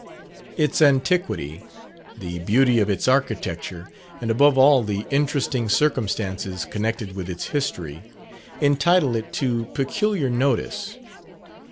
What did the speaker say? Its antiquity, the beauty of its architecture, and above all the interesting circumstances connected with its history, entitle it to peculiar notice.